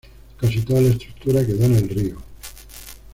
Casi toda la estructura quedó en el río.